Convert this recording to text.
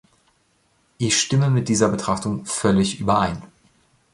Ich stimme mit dieser Betrachtung völlig überein.